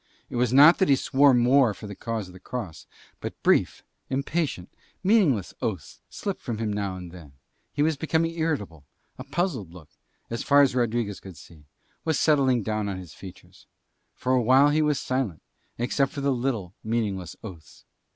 It was not that he swore more for the cause of the Cross, but brief, impatient, meaningless oaths slipped from him now; he was becoming irritable; a puzzled look, so far as Rodriguez could see, was settling down on his features. For a while he was silent except for the little, meaningless oaths.